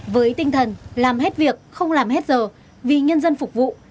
với tinh thần làm hết việc không làm hết giờ vì nhân dân phục vụ